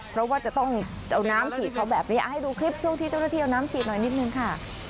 เพราะว่าจะต้องเอาน้ำฉีดเขาแบบนี้ให้ดูคลิปช่วงที่เจ้าหน้าที่เอาน้ำฉีดหน่อยนิดนึงค่ะ